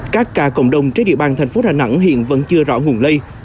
các ca cộng đồng trên địa bàn thành phố đà nẵng hiện vẫn chưa rõ nguồn lây